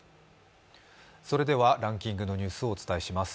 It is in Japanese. ランキングのニュースをお伝えします。